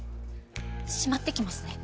しまってきますね。